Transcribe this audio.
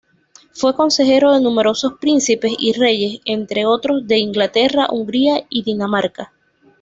Fue consejero de numerosos príncipes y reyes, entre otros de Inglaterra, Hungría y Dinamarca.